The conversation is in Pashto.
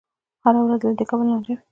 هره ورځ دې له کبله لانجه وي.